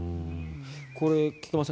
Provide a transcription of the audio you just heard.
これ、菊間さん